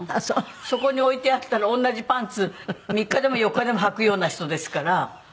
そこに置いてあったら同じパンツ３日でも４日でもはくような人ですから。